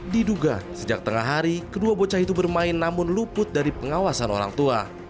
diduga sejak tengah hari kedua bocah itu bermain namun luput dari pengawasan orang tua